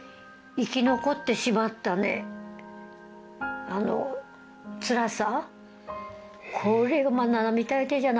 生き残ってしまったつらさ